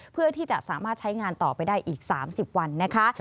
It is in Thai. เพื่อที่จะสามารถใช้งานต่อไปได้อีก๓๐วันนะคะ